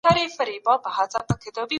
دنمارک هم د دې څېړني برخه و.